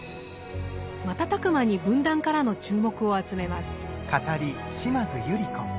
瞬く間に文壇からの注目を集めます。